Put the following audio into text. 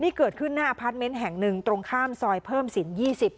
นี่เกิดขึ้นหน้าแห่งหนึ่งตรงข้ามซอยเพิ่มสินยี่สิบ